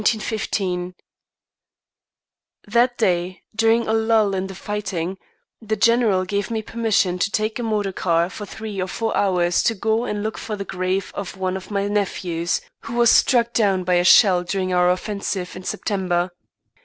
_ That day, during a lull in the fighting, the General gave me permission to take a motor car for three or four hours to go and look for the grave of one of my nephews, who was struck down by a shell during our offensive in September.